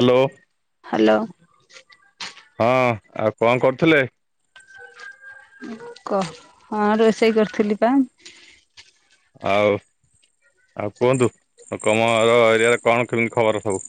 Hello. Hello. ହଁ ଆଉ କଣ କରୁଥିଲେ? କହ, ହଁ ରୋଷେଇ କରୁଥିଲି ପା। ଆଉ, ଆଉ କୁହନ୍ତୁ ତମର ଏରିଆରେ କଣ କେମିତି ଖବର ସବୁ।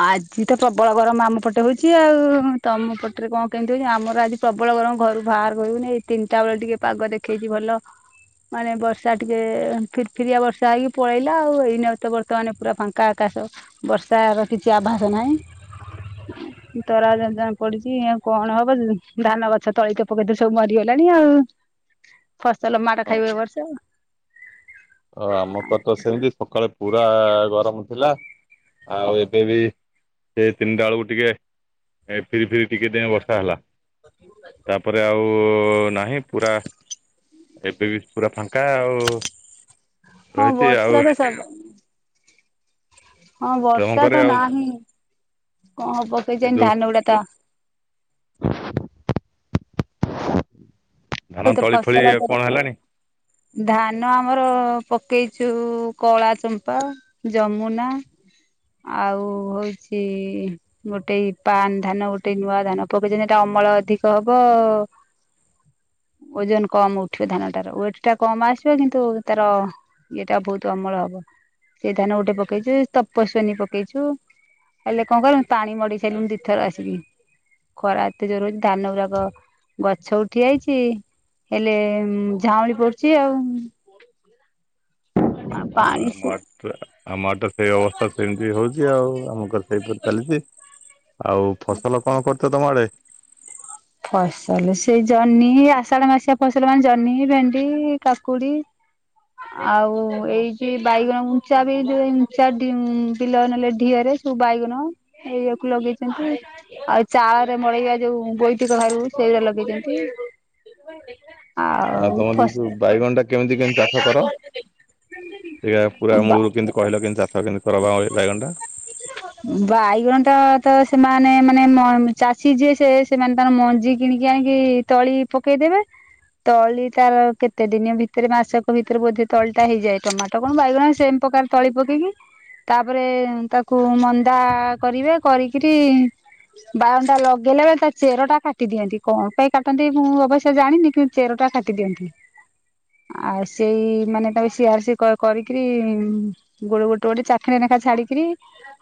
ଆଜି ତ ପ୍ରବଳ ଗରମ ଆମ ପଟେ ହଉଛି ଆଉ-ଉ-ଉ ତମ ପଟରେ କଣ କେମିତି ହଉଛି ଆମର ଆଜି ପ୍ରବଳ ଗରମ ଘରୁ ବାହାର କରି ହଉନି ଏଇ ତିନିଟା ବେଳେ ଟିକେ ପାଗ ଦେଖେଇଛି ଭଲ। ମାନେ ବର୍ଷା ଟିକେ ଫିରି ଫିରିଆ ବର୍ଷା ହେଇକି ପଳେଇଲା, ଆଉ ଏଇନା ତ ବର୍ତ୍ତମାନ ପୁରା ଫାଙ୍କା ଆକାଶ। ବର୍ଷାର କିଛି ଆଭାସ ନାହିଁ। ତରାା ଯା-ଯା ପଡିଛି ଆଉ କଣ ହବ ଧାନ ଗଛ ତଳି ତ ପକେଇଥିଲୁ ସବୁ ମରିଗଲାଣି ଆଉ। ଫସଲ ମାଡ ଖାଇବ ଏ ବର୍ଷ। ଓ ଆମ [unintelligible] ସେମିତି ସକାଳେ ପୁରା-ଆ-ଆ ଗରମ ଥିଲା। ଆଉ ଏବେ ବି ସେ ତିନିଟା ବେଳକୁ ଟିକେ ଏ ଫିରି-ଫିରି ଟିକେ ଦିନେ ବର୍ଷା ହେଲା ତାପରେ ଆଉ ନାହିଁ ପୁରା ଏବେ ବି ପୁରା ଫାଙ୍କା ଆଉ। ହଁ ରହିଛି ଆଉ ବର୍ଷା ବି ସାର ହଁ ତମ ବର୍ଷା ଘରେ ତ ଆଉ ନାହିଁ କଣ ହବ ଏଇ କେଜାଣି ଯୋଉ ଧାନ ଗୁଡା ତ ଧାନ ଏଇ ତ ତଳି ଫଳି ଫସଲ ତ କଣ ହେଲାଣି? ଧାନ ଆମର ପକେଇଛୁ କଳା ଚମ୍ପା ଯମୁନା। ଆଉ ହଉଛି ଗୋଟେ ପାନ ଧାନ ଗୋଟେ ନୂଆ ଧାନ ପକେଇଛନ୍ତି। ଏଟା ଅମଳ ଅଧିକ ହବ। ଓଜନ କମ ଉଠିବ ଧାନଟାର ଉଅଟ ଏଟା କମ ଆସିବ କିନ୍ତୁ ତାର ଇଏଟା ବୋହୁତ ଅମଳ ହବ। ସେଇ ଧାନ ଗୋଟେ ପକେଇଚୁ ତପସ୍ୱନୀ ପକେଇଛୁ। ହେଲେ କଣ କରିମୁ ପାଣି ମଡେଇ ସାଇଲୁଣି ଦି ଥର ଆସିକି। ଖରା ଏତେ ଜୋରହଉଛି ଧାନ ଗୁଡାକ ଗଛ ଉଠି ଯାଇଛି। ହେଲେ ଝାଉଁଳି ପଡୁଛି ଆଉ। ଆ ପାଣି ଆମ ସେ ଆଡେ ଆମ ଆଡେ ତ ସେଇ ଅବସ୍ଥା ସେମିତି ହଉଛି ଆଉ ଆମ ଘର ସେଇପରି ଚାଲିଛି। ଆଉ ଫସଲ କଣ କରୁଛ ତମ ଆଡେ? ଫସଲ ସେ ଜହ୍ନି ଆଷାଢ ମାସିଆ ଫସଲ ମାନେ ଜହ୍ନି ଭେଣ୍ଡି କାକୁଡି। ଆଉ ଏଇଚି ବାଇଗଣ ମୁଞ୍ଚା ବି ଏ ଯୋଉ ମୁଞ୍ଚା ବିଲ ନେଲେ ଢିଅରେ। ସବୁ ବାଇଗଣ ଏଇଆକୁ ଲଗେଇଛନ୍ତି। ଆଉ ଚାଳରେ ମଡେଇବା ଯୋଉ ବୋଇ ତି କଖାରୁ ସେଇଗୁରା ଲଗେଇଛନ୍ତି। ଆଉ ତମର ଏଇ ଯୋଉ ବାଇଗଣ ଟା କେମିତି କେମିତି ଚାଷ କର? ସେଇରା ପୁରା ବା ମୂଳରୁ କେମିତି କହିଲ କେମିତି ଚାଷ କେମିତି କରବା ଆଉ ଏ ବାଇଗଣଟା। ବାଇଗଣ ଟା ତ ସେମାନେ ମାନେ ମ ଚାଷୀ ଯିଏ ସେ ସେମାନେ ତାର ମଞ୍ଜି କିଣିକି ଆଣିକି ତଳି ପକେଇଦେବେ। ତଳି ତାର କେତେ ଦିନି ଭିତରେ ମାସକ ଭିତରେ ବୋଧେ ତଳି ଟା ହେଇଯାଏ। ଟମାଟୋ କଣ ବାଇଗଣ ସେମ ପ୍ରକାର ତଳି ପକେଇକି ତାପରେ ତାକୁ ମନ୍ଦା କରିବେ କରିକିରି ବାଉଣ୍ଡା ଲଗେଇଲେ ବା ଚେର ଟା କାଟିଦିଅନ୍ତି। କଣ ପାଇଁ କାଟନ୍ତି ମୁଁ ଅବଶ୍ୟ ଜାଣିନି କିନ୍ତୁ ଚେରଟା କାଟି ଦିଅନ୍ତି। ଆଉ ସେଇ ମାନେ ତାକୁ ସିଆର୍ ସି କରିକିରି ଗୋଡେ ଗୋଟେ ଗୋଟେ ଚାଖେଣ୍ଡ ନେଖା ଛାଡିକିରି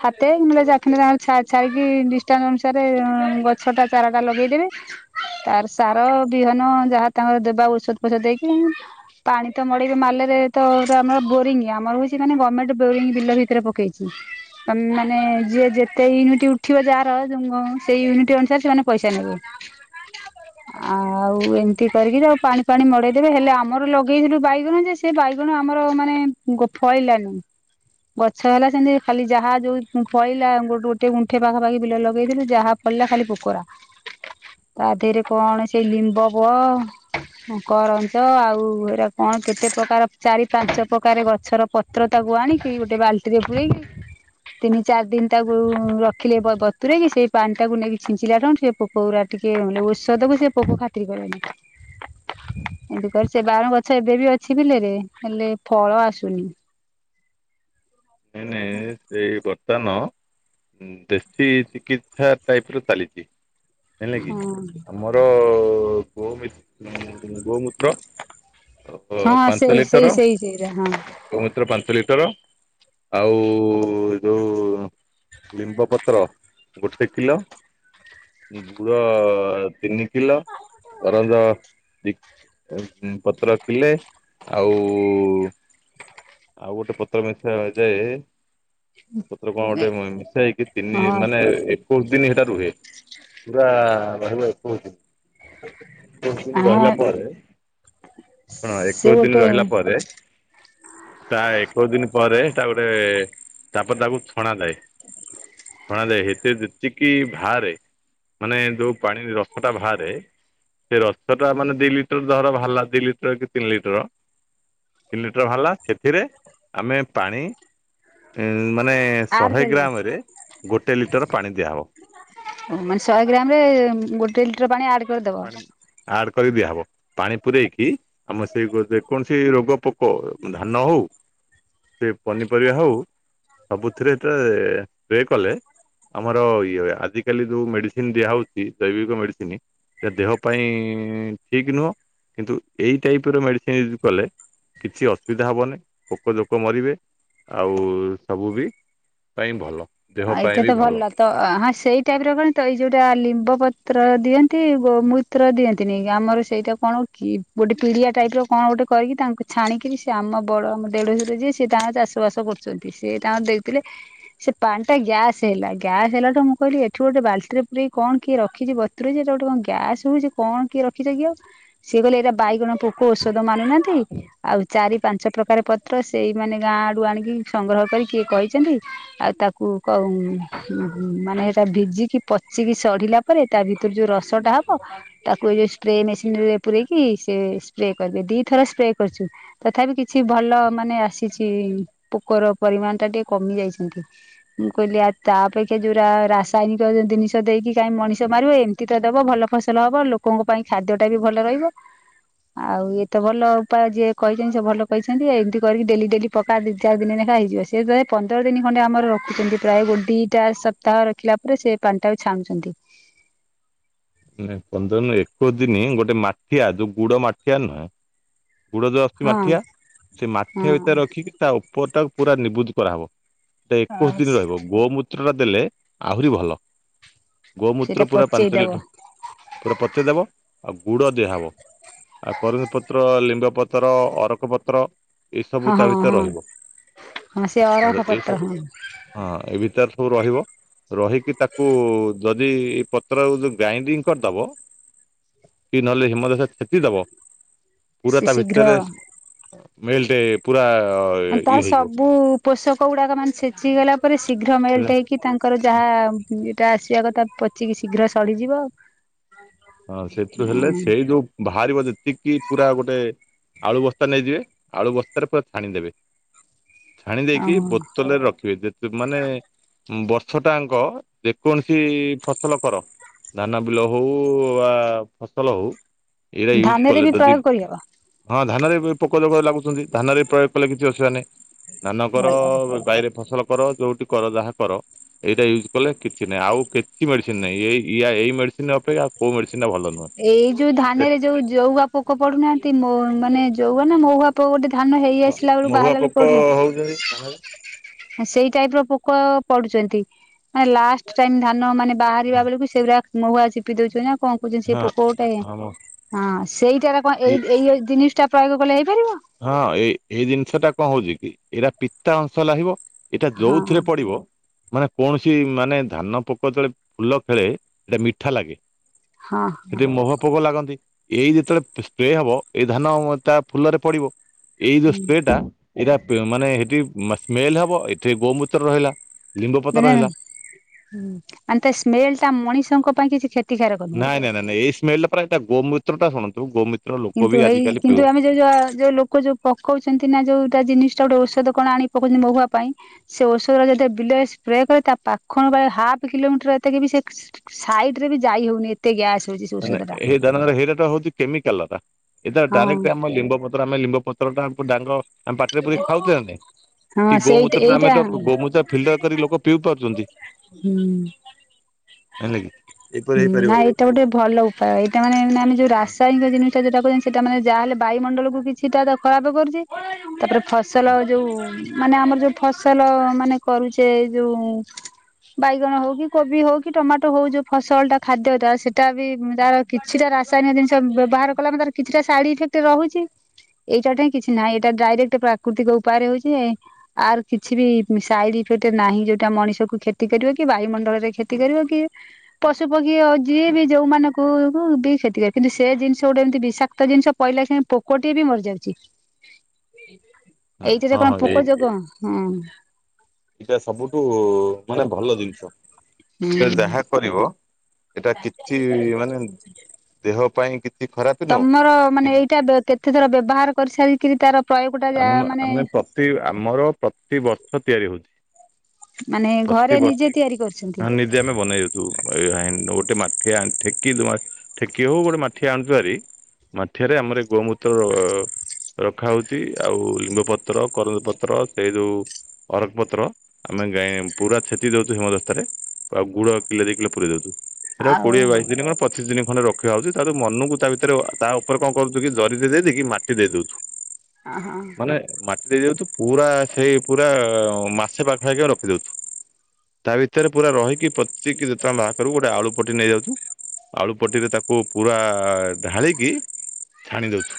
ହାତେ ନଲେ ଚାଖେଣ୍ଡ ନାଖା ଛା ଛାଡ଼ିକି ଡିଷ୍ଟାନ୍ସ ଅନୁସାରେ ଗଛ ଟା ଚାରାଟା ଲଗେଇଦେବେ। ତାର ସାର ବିହନ ଯାହା ତାଙ୍କର ଦେବା ଔଷଧ ଫୋଷଧ ଦେଇକି ପାଣି ତ ମଡେଇବେ ମାଲରେ ତ ଆମର ବୋରିଂ ଆମର ହଉଛି ମେ ଗଭର୍ଣ୍ଣମେଣ୍ଟ ବୋରିଂ ବିଲ ଭିତରେ ପକେଇଛି। ତ ମାନେ ଯିଏ ଯେତେ ୟୁନିଟ ଉଠିବ ଯାହାର ସେଇ ୟୁନିଟ ଅନୁସାରେ ସେମାନେ ପଇସା ନେବେ। ହ ଆଉ ଏମିତି କରିକିରି ଆଉ ପାଣି ଫାଣି ମଡେଇଦେବେ ହେଲେ ଆମର ଲଗେଇଥିଲୁ ବାଇଗଣ ଯେ ସେ ବାଇଗଣ ଆମର ମାନେ ଫଳିଲାନି। ଗଛ ହେଲା ସେମିତି ଖାଲି ଯାହା ଯୋଉ ଫଳିଲା ଗୋଟେ ଗୋଟେ ଗୁଣ୍ଠେ ପାଖାପାଖି ବିଲରେ ଲଗେଇଥିଲୁ ଯାହା ଫଳିଲା ଖାଲି ପୋକରା। ତା ଦେହରେ କଣ ସେଇ ଲିମ୍ବ ବ ହଁ କରଞ୍ଚ ଆଉ ଏରା କଣ କେତେ ପ୍ରକାର ଚାରି ପାଞ୍ଚ ପ୍ରକାର ଗଛର ପତ୍ର ତାକୁ ଆଣିକି ଗୋଟେ ବାଲ୍ଟିରେ ପୁରେଇକି ତିନି ଚାରି ଦିନ ତାକୁ ରଖିଲେ ବତୁରେଇ କି ସେଇ ପାଣି ଟାକୁ ନେଇକି ଛିଞ୍ଚିଲା ଠୁ। ସେ ପୋକ ଗୁ ରା ଟିକେ ମାନେ ଔଷଧ କୁ ସେ ପୋକ ଖାତିର କଲେନି। ଏମିତି କରି ସେ ବାରଣ ଗଛ ଏବେ ବି ଅଛି ବିଲେରେ ହେଲେ ଫଳ ଆସୁନି। ସେ ବର୍ତ୍ତମାନ ଦେଶୀ ଚିକିତ୍ସା ଟାଇପ ର ଚାଲିଛି। ଜାଣିଲେ କିି ହଁ ଆମର ଗୋମ ଗୋମୂତ୍ର ଓହୋ ହଁ ପାଞ୍ଚ ସେଇ ସେଇ ଲିଟର ସେଇ ସେଇଟା ହଁ ଗୋମୂତ୍ର ପାଞ୍ଚ ଲିଟର ଆଉ ଯୋଉ ଲିମ୍ବ ପତ୍ର ଗୋଟେ କିଲ ଗୁଡ଼ ତିନି କିଲ ଅରଞ ଦି ପତ୍ର କିଲେ ଆଉ ଆଉ ଗୋଟେ ପତ୍ର ମିଶାଯାଏ ପତ୍ର କଣ ଗୋଟେ ମିଶା ହେଇକି ତିନି ହଁ ମାନେ ଏ କୋଉସି ଦିନ ହେଟା ରୁହେ ପୁରା ରହିବ ଏକଉସି ଦିନ। ଏକୋଇଶ ଦିନ ରହିଲା ହଁ ପରେ ହଁ ସେ ଏକୋଇଶ ଦିନ ଗୋଟେ ରହିଲା ପରେ ପ୍ରାୟ ଏକୋଇଶ ଦିନ ପରେ ଏଟାଗୋଟେ ତାପରେ ତାକୁ ଛଣାଯାଏ। ଫଳ ରେ ଏବେ ଯେତିକିି ଭାରେ ମାନେ ଯୋଉ ପାଣି ରସଟା ଭାରେ ସେ ରସଟା ମାନେ ଦି ଲିଟର ଧର ବାହାରିଲା ଦି ଲିଟର କି ତିନି ଲିଟର ତିନି ଲିଟର ବାହାରିଲା ସେଥିରେ ଆମେ ପାଣି ଉଁ ମାନେ ଆଡ ଶହେ କରିବ ଗ୍ରାମ୍ ରେ ଗୋଟେ ଲିଟର ପାଣି ଦିଆହବ। ଓ ମାନେ ଶହେ ଗ୍ରାମ୍ ରେ ଗୋଟେ ଲିଟର ପାଣି ଆଡ୍ କରିଦବ? ଆଡ୍ କରି ଦିଆହବ ପାଣି ପୂରେଇକି ଆମର ସେଇ ଯେକୌଣସି ରୋଗ ପୋକ ଧାନ ହଉ ସେ ପନିପରିବା ହଉ ସବୁଥିରେ ଏତେ ସ୍ପ୍ରେ କଲେ ଆମର ଇଏ ହୁଏ ଆଜିକାଲି ଯୋଉ ମେଡିସିନ୍ ଦିଆହେଉଚି ଜୈବିକ ମେଡିସିନ ସେଟା ଦେହ ପାଇଁ ଠିକ୍ ନୁହଁ କିନ୍ତୁ ଏଇ ଟାଇପ୍ ର ମେଡିସିନ୍ ୟୁଜ୍ କଲେ କିଛି ଅ ସୁବିଧା ହବନି ପୋକ ଜୋକ ମରିବେ ଆଉ ସବୁ ବି ପାଇଁ ଭଲ। ଦେହ ଆଉ ପାଇଁ ଏଇଟା ବି ତ ଭଲ। ତ ହଁ ସେଇ ଟାଇପ୍ ର କଣ ତ ଏଇ ଯୋଉଟା ଲିମ୍ବ ପତ୍ର ଦିଅନ୍ତି ଗୋ ମୁ ତ୍ର ଦିଅନ୍ତିନି ଆମର ସେଇଟା କଣ କି ଗୋଟେ ପିଡିଆ ଟାଇପ୍ ର କଣ ଗୋଟେ କରିକି ତାଙ୍କୁ ଛାଣିକିରି ସେ ଆମ ବଡ ଆମ ଦେଢସୁର ଯିଏ ସିଏ ତାଙ୍କ ଚାଷ ବାସ କରୁଚନ୍ତି, ସେଏ ତାଙ୍କ ଦେଇଥିଲେ ସେ ପାଣି ଟା ଗ୍ୟାସ୍ ହେଲା ଗ୍ୟାସ ହେଲାଠୁ ମୁଁ କହିଲି ଏଠୁ ଗୋଟେ ବାଲ୍ଟିରେ ପୁରଇି କଣ କିଏ ରଖିଚି ବ ତୁରେଇଚି ଏଇଟା ଗୋଟେ କଣ ଗ୍ୟାସ୍ ହଉଚି କଣ କିଏ ରଖିଚ କିି ଆଉ ସିଏ କହିଲେ ଏଟା ବାଇଗଣ ପୋକ ଔଷଧ ମାନୁନାହାନ୍ତି ଆଉ ଚାରି ପାଞ୍ଚ ପ୍ରକାର ପତ୍ର ସେଇ ମାନେ ଗାଁ ଆଡୁ ଆଣିକି ସଂଗ୍ରହ କରି କିଏ କହିଚନ୍ତି ଆଉ ତା କୁ କୋଉ ମାନେ ସେଟା ଭିଜିକି ପଚିକି ସଢିଲା ପରେ ତା ଭିତରୁ ଯୋଉ ରସଟା ହବ ତାକୁ ଏ ଯୋଉ ସ୍ପ୍ରେ ମେସିନ ରେ ପୂରେଇକି ସେ ସ୍ପ୍ରେ କରିବେ ଦିଥର ସ୍ପ୍ରେ କରୁଚୁ। ତଥାପି କିଛି ଭଲ ମାନେ ଆସିଛି ପୋକର ପରିମାଣ ଟା ଟିକେ କମି ଯାଇଛନ୍ତି। ମୁଁ କହିଲି ଆଉ ତା ଅପେକ୍ଷା ଯୋଉରା ରାସାୟନିକ ଦିନିଷ ଦେଇକି କାଇଁ ମଣିଷ ମାରିବ ଏମି ତି ତା ଦବ ଭଲ ଫସଲ ହବ ଲୋକଙ୍କ ପାଇଁ ଖାଦ୍ୟଟା ବି ଭଲ ରହିବ। ଆଉ ଏତ ଭଲ ଉପାୟ ଯିଏ କହିଛନ୍ତି ସେ ଭଲ କହିଛନ୍ତି ଏମିତି କରିକି ଡେଲି, ଡେଲି ପକା ଦି ଚାର ଦିନ ନେଖା ହେଇଯିବ ସେ ତଥାପି ପନ୍ଦର ଦିନ ଖଣ୍ଡେ ଆମର ରଖିଛନ୍ତି ପ୍ରାୟ ଗୋ ଦିଟା ସପ୍ତାହ ରଖିଲା ପରେ ସେ ପାଣିଟାକୁ ଛାଣୁଚନ୍ତି। ନା ପନ୍ଦର ନୁ ଏକୋଇଶ ଦିନ ଗୋଟେ ମାଠିଆ ଯୋଉ ଗୁଡ ମାଠିଆ ନୁହେଁ ଗୁଡ ଯୋଉ ଆସୁଛି ହଁ ମାଠିଆ ସେ ମାଠିଆ ହଁ ଭିତରେ ରଖିକି ତା ଉପର ଟାକୁ ପୁରା ନିବୁଜ୍ କରାହବ। ଟା ଏକୋଇଶ ଆଉ ଦିନ ରହିବ, ଗୋମୂତ୍ର ଟା ଦେଲେ ଆହୁରି ଭଲ। ସେଇଟା ଗୋମୂତ୍ର ପୁରା ପାଞ୍ଚ ପଚେଇଦବ ଲିଟ, ପୁରା ପଚେଇଦବ ଆଉ ଗୁଡ ଦିଆହବ। ଆଉ କରଞ୍ଜ ପତ୍ର, ଲିମ୍ବପତ୍ର, ଅରଖପତ୍ର ଏସବୁ ହଁ ତା ହଁ ଭିତରେ ହଁ ରହିବ, ହଁ ସେ ହଁ ଅରଖ ତ ପତ୍ର ଏସବୁ ହଁ ହଁ ଏ ଭିତରେ ସବୁ ରହିବ, ରହିକି ତାକୁ ଯଦି ଏ ପତ୍ର କୁ ଯଦ ଗ୍ରାଇଣ୍ଡିଙ୍ଗ କରିଦବ, କି ନହେଲେ ହେମଦସ୍ତାରେ ଛେଚି ଦବ। ପୁରା ସେ ତା ଭିତରେ ଶୀଘ୍ର ମେଲଟେ ପୁରା ଅଁ, ଇଏ ତାର ହେଇଯିବ। ସବୁ ପୋଷକ ଗୁଡାକ ମାନେ ଛେଚିଗଲା। ପରେ ଶୀଘ୍ର ମେଲଟ୍ ହେଇକି ତାଙ୍କର ଯାହା ଇଏଟା ଆସିବା କଥା ପଚିକି ଶୀଘ୍ର ସଢିଯିବ। ହଁ ସେଥିରୁ ହେଲେ ସେଇ ଯୋଉ ବାହାରିବ ଯେତିକି ପୁରା ଗୋଟେ ଆଳୁ ବସ୍ତା ନେଇଯିବେ ଆଳୁ ବସ୍ତାରେ ପୁରା ଛାଣିଦେବେ। ଛାଣି ଦେଇକି ଆଉ ବୋତଲରେ ରଖିବେ ଯେ ସେ ମାନେ ଉଁ, ବର୍ଷ ଟାଙ୍କ ଯେକୌଣସି ଫସଲ କର। ଧାନ ବିଲ ହଉ ବା ଫସଲ ହଉ ଏଇଟା ୟୁଜ୍ ଧାନରେ କଲେ ବି ଯଦି ପ୍ରୟୋଗ କରିହବ ହଁ ଧାନରେ ବି ପୋକ ଜୋକ ଲାଗୁଛନ୍ତି ଧାନରେ ପ୍ରୟୋଗ କଲେ କିଛି ଅସୁବିଧା ନାହିଁ। ଧାନ କର, ଭଲ ବାଇରେ ଫସଲ କର ଯୋଉଠି କର ଯାହା କର। ଏଇଟା ୟୁଜ୍ କଲେ କିଛି ନାହିଁ, ଆଉ କିଛି ମେଡିସିନ୍ ନାହିଁ ଏଇ ୟା ଏଇ ମେଡିସିନ୍ ଅପେକ୍ଷା କୋଉ ମେଡିସିନ୍ ଟା ଭଲ ନୁହଁ। ଏଇ ଯୋଉ ଧାନରେ ଯୋଉ ଜଉଆ ପୋକ ପଡୁନାହାନ୍ତି, ମୋ ମାନେ ଜଉଆ ନା ମହୁଆ କୋଉ ଗୋଟେ ଧାନ ହେଇ ହଁ ଆସିଲା ବେଳକୁ ମହୁଆ ବାହାରିଲା ପୋକ ବେଳକୁ ପଡୁଛି। ହଉଛନ୍ତି ଧାନରେ। ହଁ ସେଇ ଟାଇପ୍ ର ପୋକ ପଡୁଛନ୍ତି, ମାନେ ଲାଷ୍ଟ ଟାଇମ୍ ଧାନ ମାନେ ବାହାରିବା ବେଳକୁ ସେଉରା ମହୁଆ ଚିପିଦଉଛନ୍ତି ନା କଣ କହୁଚନ୍ ହଁ ପୋକ ଗୋଟାଏ ହଁ ମ ହଁ ସେଇଟାରେ କଣ ଏ ଏଇ ଏଇ ଯୋଉ ଜିନିଷ ଟା ପ୍ରୟୋଗ କଲେ ହେଇପାରିବ? ହଁ ଏଇ ଏଇ ଜିନିଷ ଟା କଣ ହଉଛି କି ଏଇଟା ପିତା ଅଂଶ ଲାହିବ। ଏଇଟା ଯୋଉଥିରେ ହଁ ପଡିବ ମାନେ କୌଣସି ମାନେ ଧାନ ପୋକ ତଳେ ଫୁଲ ଖେଳେ ଏଟା ମିଠା ଲାଗେ। ହଁ ଯଦି ମହୁଆ ପୋକ ଲାଗନ୍ତି, ଏଇ ଯେତେବେଳେ ସ୍ପ୍ରେ ହବ ଏଇ ଧାନ ତା ଫୁଲରେ ପଡିବ ଏଇ ଯୋଉ ହଁ ସ୍ପ୍ରେ ଟା ଏଇଟା ପେ-ମାନେ ହେବି ସ୍ମେଲ୍ ହବ, ଏଠି ଗୋମୁତ୍ର ରହିଲା। ଲିମ୍ବ ପତ୍ର ନା ନା ରହିଲା। ହୁଁ, ମାନେ ତା ସ୍ମେଲ୍ ଟା ମଣିଷଙ୍କ ପାଇଁ କିଛି କ୍ଷ ନାଇଁ ନାଇଁ ନାଇଁ ଏଇ ସ୍ମେଲ୍ ରେ ପରା ଏଟା ଗୋମୁତ୍ର ଟା ଶୁଣନ୍ତୁ ଗୋମିତ୍ର ଲୋକ ବି ଆଜିିକାଲିି ପିଉ ଯେ ଯା ଯୋଉ ଲୋକ ଯୋଉ ପକଉଛନ୍ତି ନା, ଯୋଉଟା ଜିନିଷ ଟା ଗୋଟେ ଔଷଧ କଣ ଆଣି ପକଉଛନ୍ତି ମହୁଆ ପାଇଁ। ସେ ଔଷଧ ଯଦି ବିଲେ ସ୍ପ୍ରେ କରେ ତା ପାଖଣୁ ବେଳେ ହାପ୍ କିଲୋମିଟର ଏତକି ବି ସେ ସାଇଡ୍ ରେ ବି ଯାଇ ହଉନି ଏତେ ଗ୍ୟାସ୍ ହଉଛି ସେ ଔଷଧ ଟା। [unintelligible] ହେଇଟା ତ ହଉଚି କେମିକାଲ ଟା ଏଟା ହଁ ଡାଇରେକ୍ଟ ଆମ ଲିମ୍ବପତ୍ର ଆମେ ଲିମ୍ବପତ୍ର ଟା ଆମକୁ ଡାଙ୍ଗ ଆମେ ପାଟିରେ ପୁରେଇ ଖାଉଚେ ନା ନାଇଁ କି ହଁ ସେଇଟା ଗୋମୁତ୍ର ରେ ଆମେ ଏଇଟା ତ ଗ-ଗୋମୁତ୍ର ଫିଲ୍ଟର୍ କରି ଲୋକ ପିଉ ପାରୁଚନ୍ତି। ହୁଁ। ହେଲା କିି? ହୁଁ, ନା ଏଇଟା ଗୋଟେ ଭଲ ଉପାୟ, ଏଇଟା ମାନେ ଆମେ ଯୋଉ ରାସାୟନିକ ଜିନିଷ ଟା ଯୋଉଟା ପାଇଁ ସେଟା ମାନେ ଯାହାହେଲେ ବାୟୁମଣ୍ଡଳକୁୁ କିଛିଟା ତ ଖରାପ କରୁଛି, ତାପରେ ଫସଲ ଯୋଉ ମାନେ ଆମର ଯୋଉ ଫସଲ ମାନେ କରୁଛେ ଯୋଉ ବାଇଗଣ ହଉ କି କୋବି ହଉ କି ଟମାଟୋ ହଉ ଯୋ ଫସଲ ଟା ଖାଦ୍ୟଟା ସେଟା ବି ଉଁ, ତାର କିଛିଟା ରାସାୟନିକ ଜିନିଷ ବ୍ୟବହାର କଲାମାନେ ତାର କିଛିଟା ସାଇଡ୍ ଇଫେକ୍ଟ ତ ରହୁଛି, ଏଇଟା ଠେଇଁ କିଛି ନାହିଁ, ଏଇଟା ଡାଇରେକ୍ଟ ପ୍ରାକୃତିକ ଉପାୟରେ ହଉଛି। ଏ ଆର୍ କିଛି ବି ସାଇଡ ଇଫେକ୍ଟ ନାହିଁ ଯୋଉଟା ମଣିଷ କୁ କ୍ଷତି କରିବ କି ବାୟୁମଣ୍ଡଳରେ କ୍ଷତି କରିବ କି ପଶୁ ପକ୍ଷୀ ଯିଏ ବି ଯୋଉମାନଙ୍କୁ ମୁଁ ବି ସେଇଥିରେ କିନ୍ତୁ ସେ ଜିନିଷ ଗୋଟେ ଏମିତି ବିଷାକ୍ତ ଜିନିଷ ପହିଲା ଯାଏଁ ପୋ କଟିଏ ବି ମରିଯାଉଛି। [unintelligible] ଏଇଥିରେ ହଁ କଣ ହଁ ଏଇ ପୋକ ଯୋଗ ହଁ ଏଇଟା ସବୁଠୁ ମାନେ ଭଲ ଜିନିଷ ଏଥିଲେ ହୁଁ ଯାହା କରିବ ଏଟା କିଥି ମାନେ ଦେହ ପାଇଁ କିଥି ଖରାପ ନୁହଁ। ତମର ମାନେ ଏଇଟା କେତେ ଥର ବ୍ୟବହାର କରି ସାରିକିରି ତାର ପ୍ରୟୋଗ ଟା ଆମ ଯାହା ମାନେ ଆମେ ପ୍ରତି ଆମର ପ୍ରତିବର୍ଷ ତିଆରି ହଉଛି। ମାନେ ଘରେ ପ୍ରତିବର୍ଷ ନିଜେ ତିଆରି କରିଛନ୍ତି? ହଁ ଆମେ ନିଜେ ବନେଇଦଉଛୁ ଏଇ ହା ଗୋଟେ ମାଠିଆ ଠେକିଲୁ ଆ ଠେକି ହଉ ଗୋଟେ ମାଠିଆ ଆଣୁଚୁଭାରି ମାଠିଆରେ ଆମର ଗୋମୂତ୍ରର ରଖା ହଉ ଛି ଆଉ ଲିମ୍ବ ପତ୍ର କରଞ୍ଜ ପତ୍ର ସେଇ ଯୋଉ ଅରଖପତ୍ର ଆମେ ଗାଈ ପୁରା ଛେଚି ଦଉଛୁ ହିମଦସ୍ତାରେ। ଆଉ ଗୁଡ କିଲେ ଦୁଇ କିଲୋ ପୁରଇ ଦଉଚୁ ହେଡାକୁ ଆଉ କୋଡିଏ ବାଇଶ ଦିନ ପ ପଚିଶି ଦିନ ଖଣ୍ଡେ ରଖା ହଉଛି ତା ପରେ ମନକୁ ତା ଭିତରେ ତା ଉପରେ କଣ କରୁୁ କି ଜରିରେ ଦେଇକି ମାଟି ଦେଇଦଉଚୁ। ଆ ହଁ। ମାଟି ଦେଇଦଉଛୁ ପୁରା ସେଇ ପୁରା ମାସେ ପାଖା ପାଖିଆ ରଖିଦଉଥୁ ତା ଭିତରେ ପୁରା ରହିକି ପଚିକି ଯେତେବେଳେ ବାହାରକରୁ ଗୋଟେ ଆଳୁ ପଟି ନେଇଯାଉଛୁ। ଆଳୁ ପଟିରେ ତାକୁ ପୁରା ଢାଳିକି ଛାଣି ଦଉଛୁ।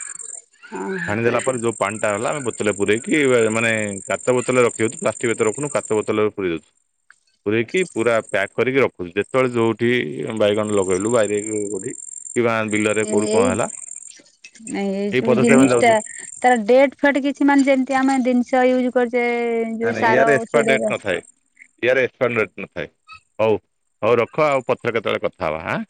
ହଁ ଛାଣି ଦେଲା ପରେ ଜୋ ପାଣିଟା ହେଲା ବତଲରେ ପୁରଇକି ମାନେ କାଚ ବୋତଲରେ ରଖିଦଉଚୁ ପ୍ଲାଷ୍ଟିକ୍ ଭିତରେ ରଖୁନୁ କାଚ ବତଲରେ ପୁରେଇ ଦଉଚୁ। ପୁରଇକି ପୁରା ପ୍ୟାକ୍ କରିକି ରଖୁଛୁ ଯେତେବେଳେ ଯୋଉଠି ବାଇଗଣ ଲଗେଇଲୁ ବାରିରେ କି ଗୋଠି। କିି ବାଇଅନ୍ ବିଲ ଏଇ ଏଇ ଶୋଇ ପଦ୍ଧତି ଆମେ ଜିନିଷ ଟା ଯାଉଛୁ। ତାର ଡେଟ ଟେ କିଛି ମାନେ ଯେମିତି ଆମେ ଜିନିଷ ୟୁଜ୍ କରୁଚେ। ନ ନାଇ ୟାର ଏକ୍ସପାୟର ଡେଟ ନଥାଏ। ୟାର ଏକ୍ସପାର ଡେଟ୍ ନଥାଏ ହଉ ହଉ ରଖ ଆଉ ପଥରେ କେତେବେଳେ କଥା ହେବା ହାଁ।